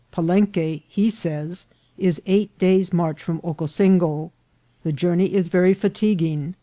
"Palenque," he says, "is eight days' march from Ocosingo. The journey is very fa tiguing.